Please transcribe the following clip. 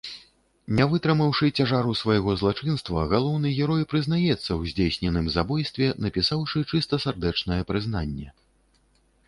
Не вытрымаўшы цяжару свайго злачынства, галоўны герой прызнаецца ў здзейсненым забойстве, напісаўшы чыстасардэчнае прызнанне.